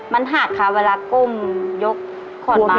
มันหักค่ะเวลากุ้มยกขวดไม้ค่ะ